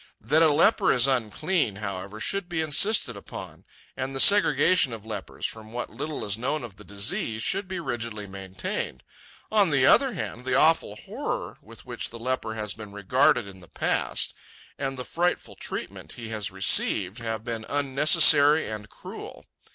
That a leper is unclean, however, should be insisted upon; and the segregation of lepers, from what little is known of the disease, should be rigidly maintained. On the other hand, the awful horror with which the leper has been regarded in the past, and the frightful treatment he has received, have been unnecessary and cruel.